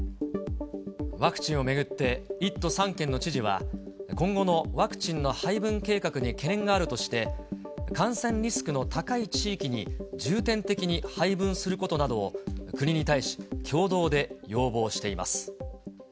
ワクチンを巡って、１都３県の知事は、今後のワクチンの配分計画に懸念があるとして、感染リスクの高い地域に重点的に配分することなどを、国に対し、共同で要望しています。